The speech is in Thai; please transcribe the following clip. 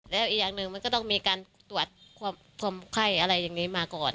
แล้วอีกอย่างหนึ่งมันก็ต้องมีการตรวจความไข้อะไรอย่างนี้มาก่อน